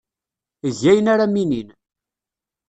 Eg ayen ara am-inin.